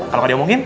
kalau gak diomongin